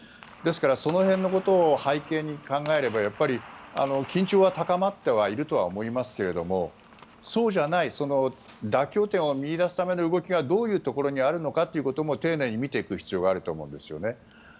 ですからその辺のことを背景に考えればやっぱり緊張は高まってはいると思いますけどそうじゃない妥協点を見いだすための動きがどういうところにあるのかってことも丁寧に見ていく必要があると思うんですね。